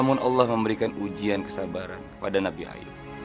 namun allah memberikan ujian kesabaran kepada nabi ayu